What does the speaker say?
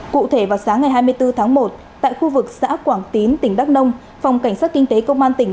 cụ thể vào sáng ngày hai mươi bốn tháng một tại khu vực xã quảng tín tỉnh đắk nông phòng cảnh sát kinh tế công an tỉnh